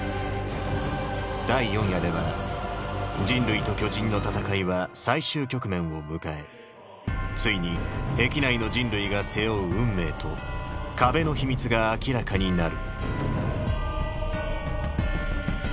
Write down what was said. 第４夜では人類と巨人の戦いは最終局面を迎えついに壁内の人類が背負う運命と壁の秘密が明らかになる